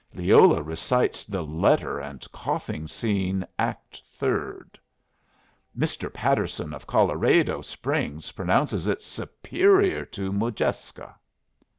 Leola recites the letter and coughing scene, Act Third. Mr. Patterson of Coloraydo Springs pronounces it superior to Modjeska."